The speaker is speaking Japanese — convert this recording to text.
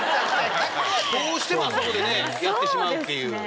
どうしてもあそこでやってしまうっていう。